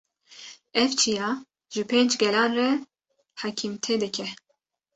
Ev çiya ji pênc gelan re hakimtê dike